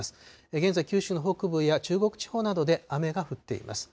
現在、九州の北部や中国地方などで雨が降っています。